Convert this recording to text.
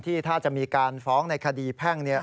ที่ถ้าจะมีการฟ้องในคดีแพ่งเนี่ย